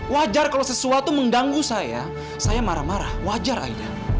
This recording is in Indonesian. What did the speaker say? wajar kalau sesuatu mengganggu saya saya marah marah wajar akhirnya